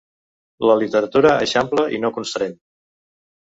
La literatura eixampla i no constreny.